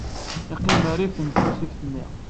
Yeqqim rrif n tasift-nni.